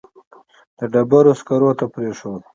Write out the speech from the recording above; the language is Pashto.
د ډبرو سکرو ته پرېښود.